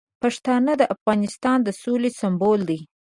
پښتانه د افغانستان د سولې سمبول دي.